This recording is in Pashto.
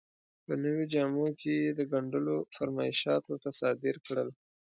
په نویو جامو کې یې د ګنډلو فرمایشات ورته صادر کړل.